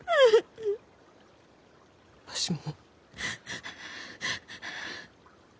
わしも。